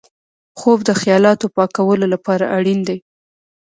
خوب د خیالاتو پاکولو لپاره اړین دی